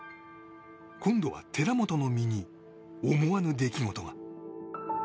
今度は寺本の身に思わぬ出来事が。